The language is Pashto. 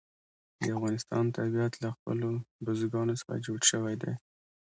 د افغانستان طبیعت له خپلو بزګانو څخه جوړ شوی دی.